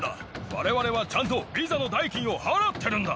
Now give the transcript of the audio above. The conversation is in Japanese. われわれはちゃんとビザの代金を払ってるんだ。